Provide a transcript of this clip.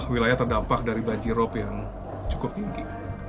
wilayah terdampak dari banjir rok yang cukup tinggi